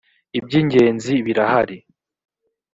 ibyingenzi birahari.